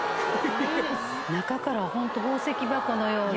中からホント宝石箱のように。